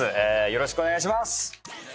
よろしくお願いします